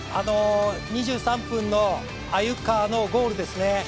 ２３分の鮎川のゴールですね。